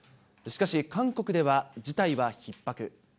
しかし、韓国では事態はひっ迫。